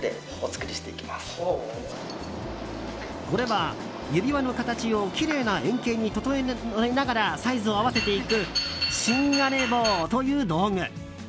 これは指輪の形をきれいな円形に整えながらサイズを合わせていく芯金棒という道具。